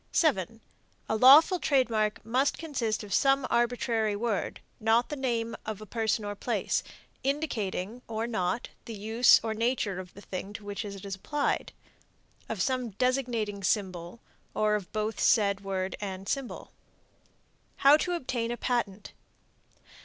7. A lawful trademark must consist of some arbitrary word (not the name of a person or place), indicating or not the use or nature of the thing to which it is applied; of some designating symbol, or of both said word and symbol. HOW TO OBTAIN A PATENT.